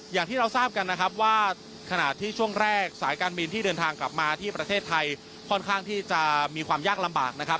อย่างที่เราทราบกันนะครับว่าขณะที่ช่วงแรกสายการบินที่เดินทางกลับมาที่ประเทศไทยค่อนข้างที่จะมีความยากลำบากนะครับ